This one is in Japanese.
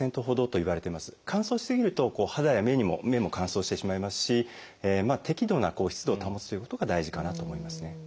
乾燥し過ぎると肌や目も乾燥してしまいますし適度な湿度を保つということが大事かなと思いますね。